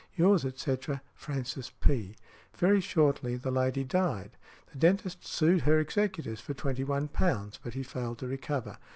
Yours, etc., Frances P." Very shortly the lady died. The dentist sued her executors for £21, but he failed to recover.